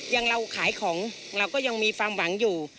อย่างเราขายของเราก็ยังมีความหวังอยู่